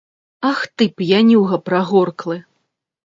Ах ты, п'янюга прагорклы!